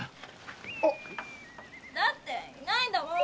だっていないんだもん！